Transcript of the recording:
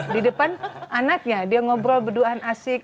di depan anaknya dia ngobrol beduan asik